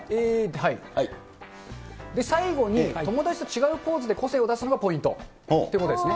最後に友達と違うポーズで個性を出すのがポイントということですね。